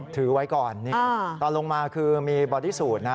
ถือไว้ก่อนนี่ตอนลงมาคือมีบอดี้สูตรนะ